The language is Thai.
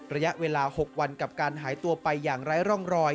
ระยะเวลา๖วันกับการหายตัวไปอย่างไร้ร่องรอย